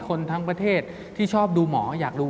แขกเบอร์ใหญ่ของผมในวันนี้